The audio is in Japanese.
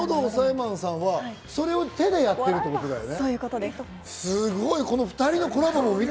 喉押さえマンさんは、それを手でやってるってことだよね。